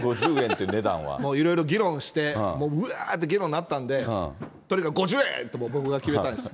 もういろいろ議論して、もううわーって議論になったんで、とにかく５０円！って僕が決めたんです。